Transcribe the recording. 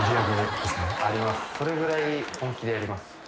それぐらい本気でやります